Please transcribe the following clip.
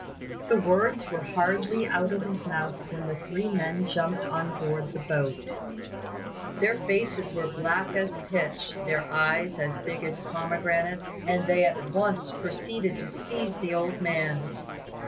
The words were hardly out of his mouth when the three men jumped on board the boat. Their faces were black as pitch, their eyes as big as pomegranates, and they at once proceeded to seize the old man.